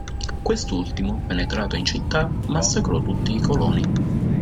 Quest'ultimo, penetrato in città, massacrò tutti i coloni.